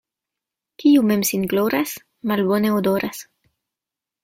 Kiu mem sin gloras, malbone odoras.